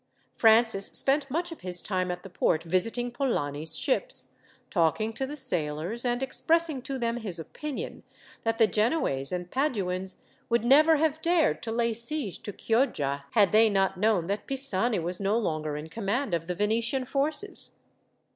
Francis spent much of his time at the port visiting Polani's ships, talking to the sailors, and expressing to them his opinion, that the Genoese and Paduans would never have dared to lay siege to Chioggia, had they not known that Pisani was no longer in command of the Venetian forces.